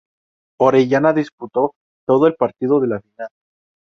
Orellana disputó todo el partido de la final.